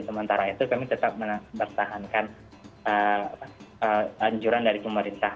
sementara itu kami tetap menah bersahankan anjuran dari pemerintah